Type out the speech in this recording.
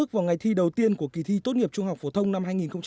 vào ngày thi đầu tiên của kỳ thi tốt nghiệp trung học phổ thông năm hai nghìn hai mươi